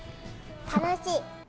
楽しい！